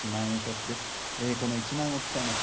この１万円を使います。